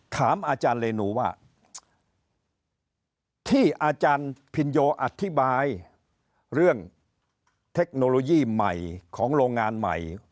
ถามอาจารย์เรนูว่าที่อาจารย์พินโยอธิบายเรื่องเทคโนโลยีใหม่ของโรงงานใหม่